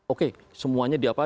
oke semuanya di apa